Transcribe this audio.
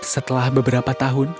setelah beberapa tahun